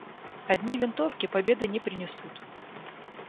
Одни винтовки победы не принесут.